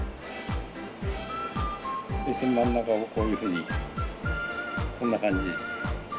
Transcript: で真ん中がこういうふうにこんな感じ。